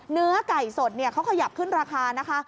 เนื้อไก่สดเขาขยับขึ้นราคานะคะ